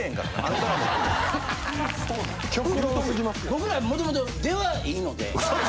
僕らもともと出はいいので。